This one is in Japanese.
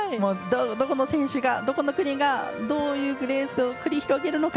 どこの選手が、どこの国がどういうレースを繰り広げるのか。